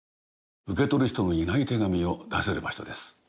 受け取る人のいない手紙を出せる場所です。